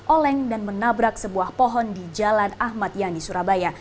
oleng dan menabrak sebuah pohon di jalan ahmad yani surabaya